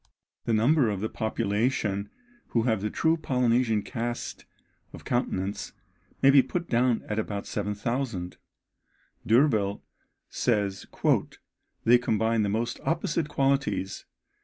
The number of the population who have the true Polynesian cast of countenance may be put down at about 7000. D'Urville says "they combine the most opposite qualities.